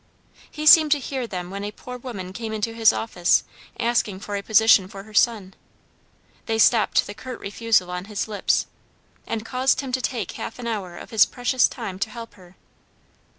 _" He seemed to hear them when a poor woman came into his office, asking for a position for her son. They stopped the curt refusal on his lips, and caused him to take half an hour of his precious time to help her.